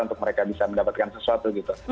untuk mereka bisa mendapatkan sesuatu gitu